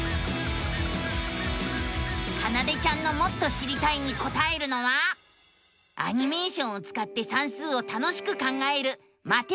かなでちゃんのもっと知りたいにこたえるのはアニメーションをつかって算数を楽しく考える「マテマティカ２」。